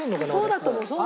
そうだと思う。